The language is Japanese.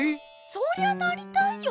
そりゃなりたいよ。